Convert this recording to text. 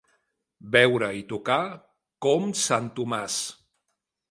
Veure i tocar, com sant Tomàs.